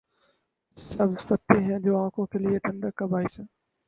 سبز پتے ہیں جو آنکھوں کے لیے ٹھنڈک کا باعث ہیں۔